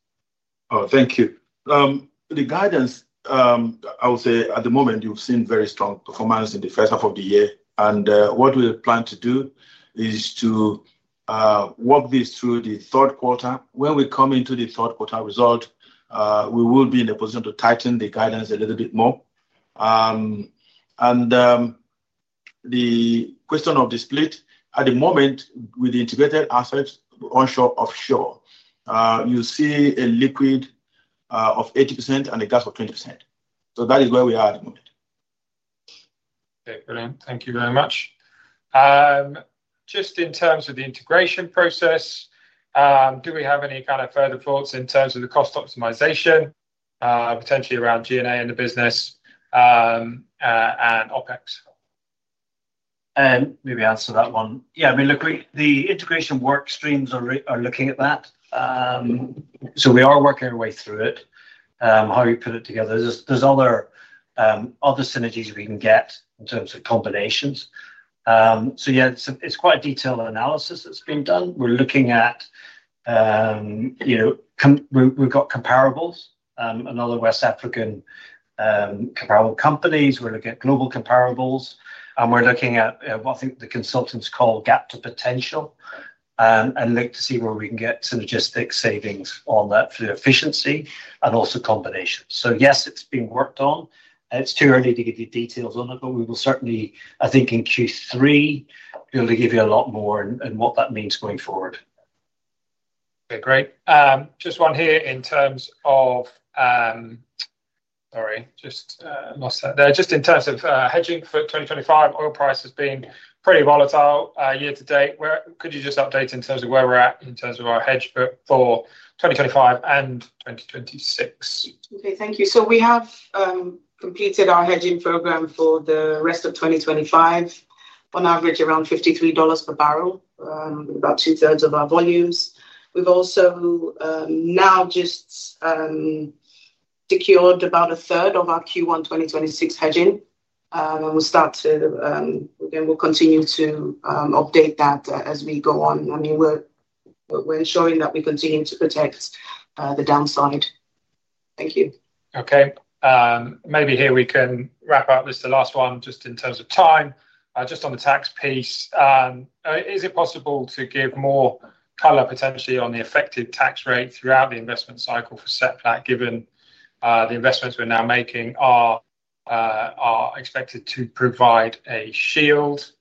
Thank you. The guidance, I would say, at the moment, you've seen very strong performance in the first half of the year. What we plan to do is to work this through the third quarter. When we come into the third quarter result, we will be in a position to tighten the guidance a little bit more. The question of the split, at the moment, with the integrated assets onshore offshore, you'll see a liquid of 80% and a gas of 20%. That is where we are at the moment. Okay. Brilliant. Thank you very much. Just in terms of the integration process, do we have any kind of further thoughts in terms of the cost optimization and potentially around G&A in the business and OpEx? Maybe answer that one. Yeah. I mean, look, the integration workstreams are looking at that. We are working our way through it. How do you put it together? There are other synergies we can get in terms of combinations. Yeah, it's quite a detailed analysis that's been done. We're looking at, you know, we've got comparables, other West African comparable companies. We're looking at global comparables. We're looking at what I think the consultants call gap to potential and look to see where we can get to logistics savings on that through efficiency and also combinations. Yes, it's being worked on. It's too early to give you details on that, but we will certainly, I think, in Q3 be able to give you a lot more on what that means going forward. Okay. Great. Just one here in terms of hedging for 2025. Oil price has been pretty volatile year to date. Could you just update in terms of where we're at in terms of our hedge for 2025 and 2026? Thank you. We have completed our hedging program for the rest of 2025, on average around $53 per barrel, about two-thirds of our volumes. We've also now just secured about a third of our Q1 2026 hedging, and we'll continue to update that as we go on. We're ensuring that we continue to protect the downside. Thank you. Okay. Maybe here we can wrap up. This is the last one just in terms of time. Just on the tax piece, is it possible to give more color potentially on the affected tax rate throughout the investment cycle for Seplat given the investments we're now making are expected to provide a shield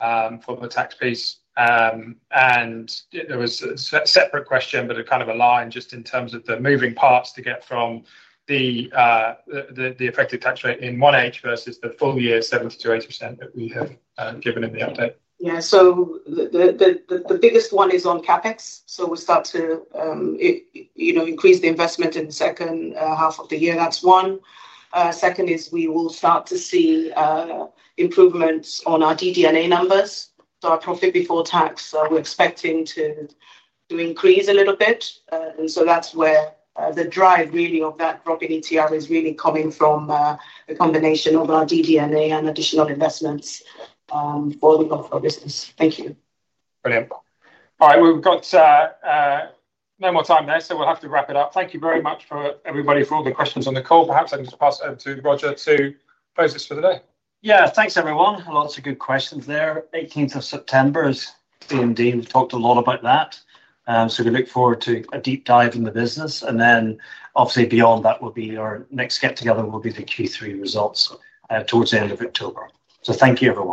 for the tax piece? There was a separate question, but a kind of. Just in terms of the moving parts to get from the effective tax rate in one age versus the full year 7% to 8% that we have given in the update. Yeah, the biggest one is on CapEx. We start to increase the investment in the second half of the year. That's one. Second, we will start to see improvements on our DD&A numbers. Our profit before tax, we're expecting to increase a little bit. That's where the drive of that profit ETR is really coming from, a combination of our DD&A and additional investments for the profit of business. Thank you. Brilliant. All right, we've got no more time there, so we'll have to wrap it up. Thank you very much, everybody, for all the questions on the call. Perhaps I can just pass over to Roger to close this for the day. Yeah, thanks everyone. Lots of good questions there. 18th of September is TMD. We've talked a lot about that. We look forward to a deep dive in the business. Obviously, beyond that will be our next get-together, which will be the Q3 results towards the end of October. Thank you everyone.